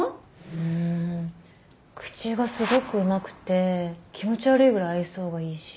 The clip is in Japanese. うん口がすごくうまくて気持ち悪いぐらい愛想がいいし。